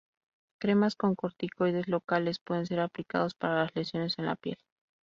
Cremas con corticoides locales pueden ser aplicados para las lesiones en la piel.